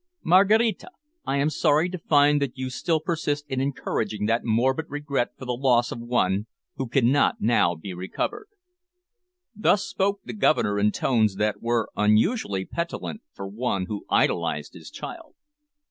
"Maraquita, I am sorry to find that you still persist in encouraging that morbid regret for the loss of one who cannot now be recovered." Thus spoke the Governor in tones that were unusually petulant for one who idolised his child.